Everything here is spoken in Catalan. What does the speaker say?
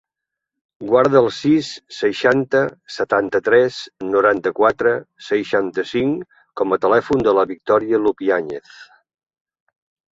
Guarda el sis, seixanta, setanta-tres, noranta-quatre, seixanta-cinc com a telèfon de la Victòria Lupiañez.